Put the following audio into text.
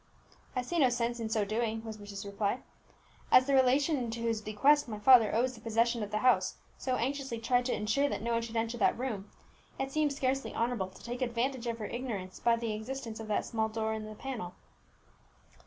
"I see no use in so doing," was Bruce's reply. "As the relation to whose bequest my father owes the possession of the house so anxiously tried to ensure that no one should enter that room, it seems scarcely honourable to take advantage of her ignorance of the existence of that small door in the panel."